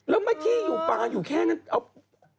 แล้วเมื่อกี้ปลาไหลอยู่แค่แน่นที่นั่น